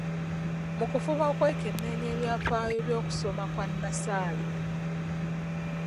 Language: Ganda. Mu kufuba okwekenneenya ebyafaayo by’okusoma kwa nnassale.